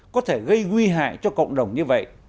có thể gây nguy hại cho cộng đồng như vậy